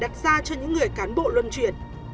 đó là những câu hỏi đặt ra cho những người cán bộ luân chuyển